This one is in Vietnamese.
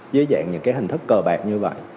dưới dạng những hình thức cờ bạc như vậy